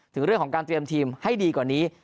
ถึงเรื่องของการเตรียมทีมให้ดีกว่านี้